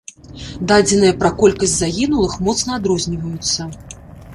Дадзеныя пра колькасць загінулых моцна адрозніваюцца.